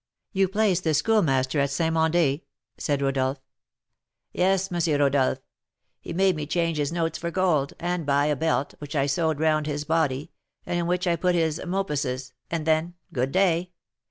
"You placed the Schoolmaster at St. Mandé?" said Rodolph. "Yes, M. Rodolph. He made me change his notes for gold, and buy a belt, which I sewed round his body, and in which I put his 'mopuses;' and then, good day!